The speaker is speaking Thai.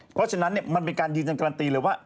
เพราะฉะนั้นมันเป็นการยืนยันการันตีเลยว่า